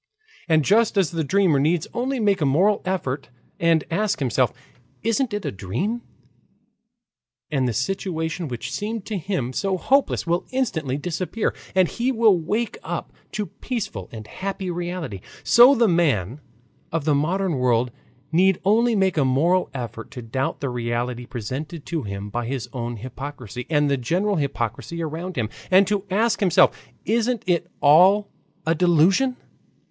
And just as the dreamer need only make a moral effort and ask himself, "Isn't it a dream?" and the situation which seemed to him so hopeless will instantly disappear, and he will wake up to peaceful and happy reality, so the man of the modern world need only make a moral effort to doubt the reality presented to him by his own hypocrisy and the general hypocrisy around him, and to ask himself, "Isn't it all a delusion?"